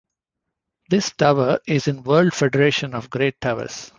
This tower is in World Federation of Great Towers.